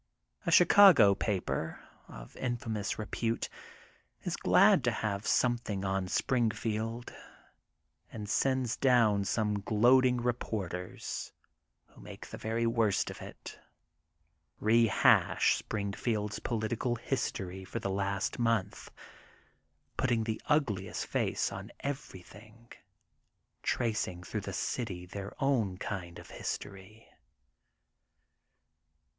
A Chicago paper of infamous repute is glad to have some thing on '* Springfield and sends down gloat ing reporters, who make the very worst of it, 212 THE GOLDEN BOOK OF SPRINGFIELD rehash Springfield's political history for the last month, patting the ngliest face on every thingy tracing through the city their own kind of history.